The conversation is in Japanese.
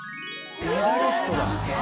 メダリストだ。